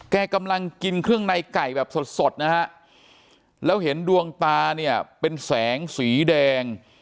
กำลังกินเครื่องในไก่แบบสดนะฮะแล้วเห็นดวงตาเนี่ยเป็นแสงสีแดง